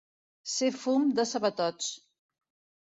Ser fum de sabatots.